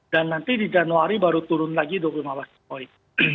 dan nanti di januari baru turun lagi dua puluh lima basis point